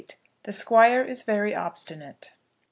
THE SQUIRE IS VERY OBSTINATE.